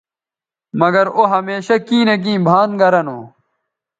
مگر او ھمیشہ کیں نہ کیں بھان گیرہ نو